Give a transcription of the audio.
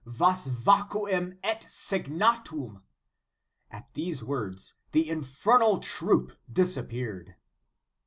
vas vacuum et signa tumf At those words, the infernal troop disappeared.